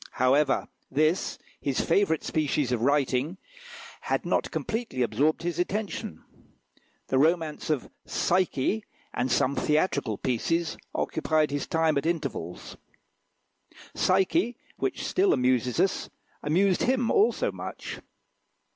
However, this, his favourite species of writing, had not completely absorbed his attention; the romance of "Psyche," and some theatrical pieces, occupied his time at intervals. "Psyche," which still amuses us, amused him also much.